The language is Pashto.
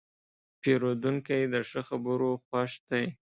پیرودونکی د ښه خبرو خوښ دی.